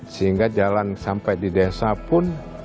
sehingga jalan sampai di desa pun